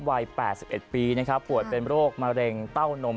วัย๘๑ปีนะครับป่วยเป็นโรคมะเร็งเต้านม